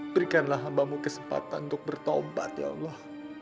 berikanlah hambamu kesempatan untuk bertobat ya allah